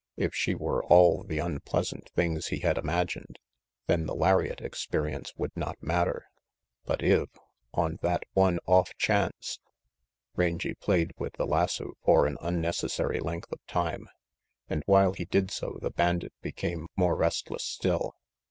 If she were all the unpleasant things he had imagined, then the lariat experience would not matter; but if, on that one off chance Rangy played with the lasso for an unnecessary length of time, and while he did so the bandit became more restless still.